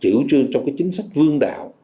chủ trương trong cái chính sách vương đạo